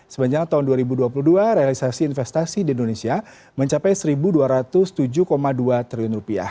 sepanjang tahun dua ribu dua puluh dua realisasi investasi di indonesia mencapai rp satu dua ratus tujuh dua triliun